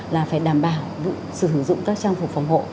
là phải đảm bảo sử dụng các trang phục phòng hộ